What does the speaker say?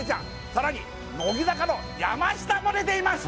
さらに乃木坂の山下も出ています